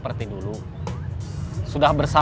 apa komenan luas risiko